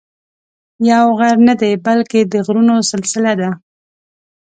یو غر نه دی بلکې د غرونو سلسله ده.